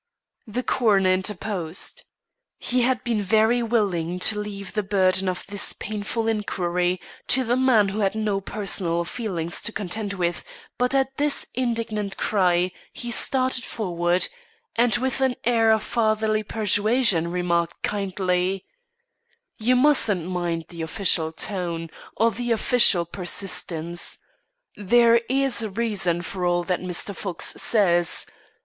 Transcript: The coroner interposed. He had been very willing to leave the burden of this painful inquiry to the man who had no personal feelings to contend with; but at this indignant cry he started forward, and, with an air of fatherly persuasion, remarked kindly: "You mustn't mind the official tone, or the official persistence. There is reason for all that Mr. Fox says.